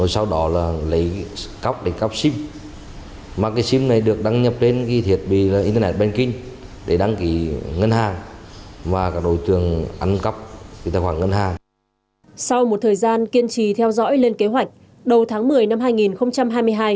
sau một thời gian kiên trì theo dõi lên kế hoạch đầu tháng một mươi năm hai nghìn hai mươi hai